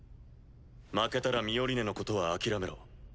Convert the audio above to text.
負けたらミオリネのことは諦めろ。